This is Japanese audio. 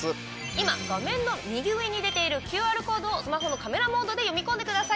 今画面の右上に出ているＱＲコードをスマホのカメラモードで読み込んでください。